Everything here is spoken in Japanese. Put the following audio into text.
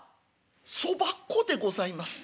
「そば粉でございます。